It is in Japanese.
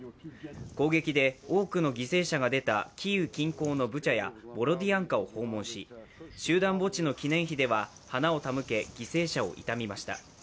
攻撃で多くの犠牲者が出たキーウ近郊のブチャやボロディアンカを訪問し集団墓地の記念碑では花を手向け、犠牲者を悼みました。